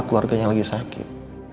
keluarganya lagi sakit